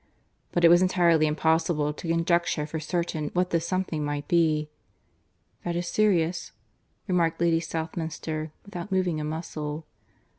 But it was entirely impossible to conjecture for certain what this something might be. "That is serious?" remarked Lady Southminster, without moving a muscle.